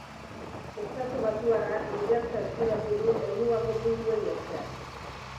Estatubatuarrak lidertza eskuratu du helmugako puntuei esker.